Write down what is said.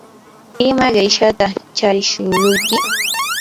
¿ima qishyataq charishuruyki?